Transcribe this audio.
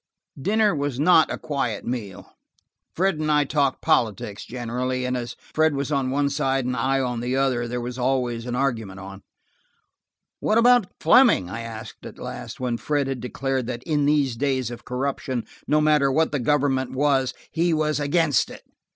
Dinner was not a quiet meal: Fred and I talked politics, generally, and as Fred was on one side and I on the other, there was always an argument on. "What about Fleming?" I asked at last, when Fred had declared that in these days of corruption, no matter what the government was, be was "forninst" it.